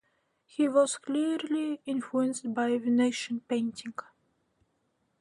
He was clearly influenced by Venetian painting.